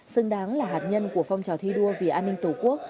xứng đáng là hạt nhân của phong trào thi đua vì an ninh tổ quốc